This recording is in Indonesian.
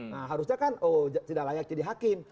nah harusnya kan oh tidak layak jadi hakim